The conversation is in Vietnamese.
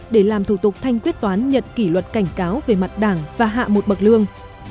để làm thủ tục thanh quyết toán nhận kỷ luật cảnh cáo về mặt đảng và hạ một bậc lương